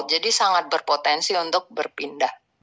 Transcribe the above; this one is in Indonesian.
jadi sangat berpotensi untuk berpindah